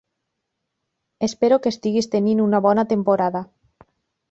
Espero que estiguis tenint una bona temporada.